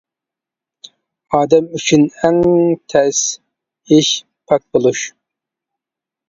ئادەم ئۈچۈن ئەڭ تەش ئىش پاك بولۇش.